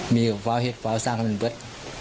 มีกระเฟ้าเหตุเฝ้าสร้างเหมือนบัส